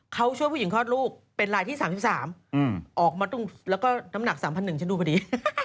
เขาช่วยผู้หญิงคลอดลูกเป็นลายที่๓๓ออกมาตรงแล้วก็น้ำหนัก๓๑๐๐ฉันดูพอดี